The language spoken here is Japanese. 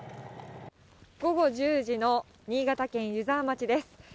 午後１０時の新潟県湯沢町です。